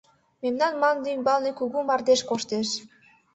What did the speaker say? — Мемнан мланде ӱмбалне кугу мардеж коштеш!..